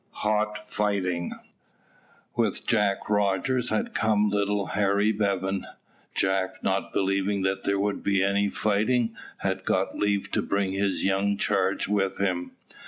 HOT FIGHTING. With Jack Rogers had come little Harry Bevan; Jack, not believing that there would be any fighting, had got leave to bring his young charge with him.